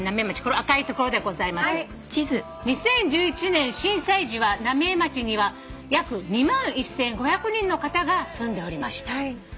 ２０１１年震災時は浪江町には約２万１，５００人の方が住んでおりました。